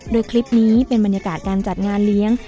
โดยคลิปนี้เป็นบรรยากาศการจัดงานเลี้ยง